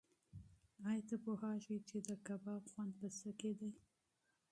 ایا ته پوهېږې چې د کباب خوند په څه کې دی؟